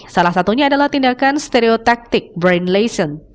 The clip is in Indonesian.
salah satunya adalah tindakan stereotaktik brain lesion